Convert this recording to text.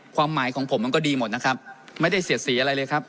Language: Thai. ความหมายของผมมันก็ดีหมดนะครับไม่ได้เสียสีอะไรเลยครับ